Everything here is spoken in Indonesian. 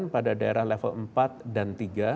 pada daerah level empat dan tiga